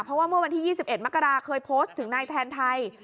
เพราะว่าเมื่อวันที่๒๑มกราเคยโพสต์ถึงนายแทนไทย